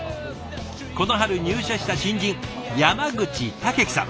この春入社した新人山口剛生さん。